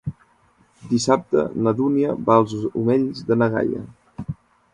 Dissabte na Dúnia va als Omells de na Gaia.